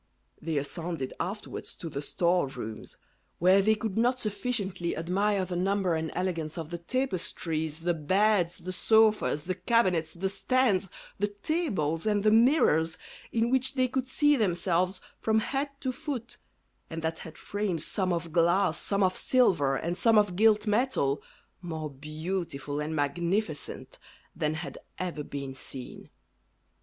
They ascended afterwards to the store rooms, where they could not sufficiently admire the number and elegance of the tapestries, the beds, the sofas, the cabinets, the stands, the tables, and the mirrors in which they could see themselves from head to foot, and that had frames some of glass, some of silver, and some of gilt metal, more beautiful and magnificent than had ever been seen.